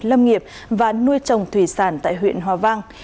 lâm nghiệp và nuôi trồng thủy sản tại huyện hòa vang